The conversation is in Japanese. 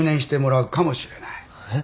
えっ？